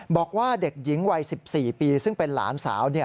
บอกว่าเด็กหญิงวัย๑๔ปีซึ่งเป็นหลานสาว